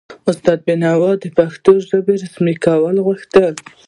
استاد بینوا د پښتو ژبې رسمي کول غوښتل.